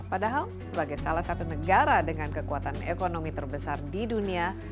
padahal sebagai salah satu negara dengan kekuatan ekonomi terbesar di dunia